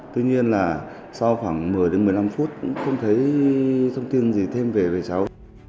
tuy nhiên là sau khoảng một mươi đến một mươi năm phút cũng không thấy thông tin gì thêm về cháu